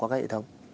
của các hệ thống